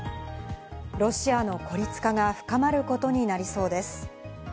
ロシアの孤立化が深まることになりそうです。